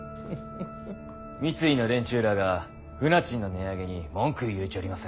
三井の連中らあが船賃の値上げに文句を言うちょります。